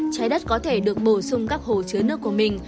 trái đất có thể được bổ sung các hồ chứa nước của mình